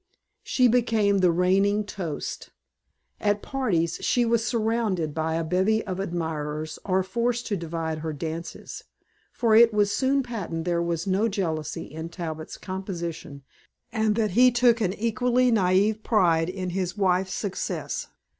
She became the "reigning toast." At parties she was surrounded by a bevy of admirers or forced to divide her dances; for it was soon patent there was no jealousy in Talbot's composition and that he took an equally naive pride in his wife's success.